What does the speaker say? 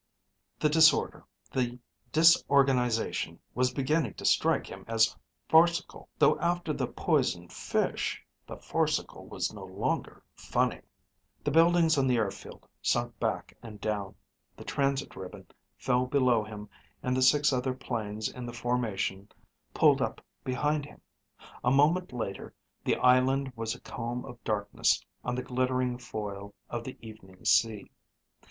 The disorder, the disorganization was beginning to strike him as farcical. Though after the poisoned fish, the farcical was no longer funny. The buildings on the airfield sunk back and down. The transit ribbon fell below him and the six other planes in the formation pulled up behind him. A moment later the island was a comb of darkness on the glittering foil of the evening sea.